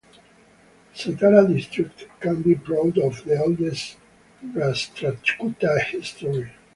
Satara District can be proud of the oldest Rashtrakuta history.